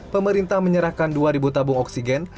pemerintah menyerahkan dua tabung oksigen